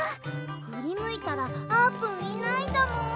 ふりむいたらあーぷんいないんだもん。